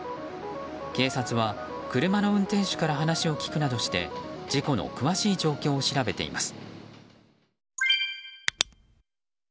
警察は車の運転手から話を聞くなどして事故の詳しい状況を調べています。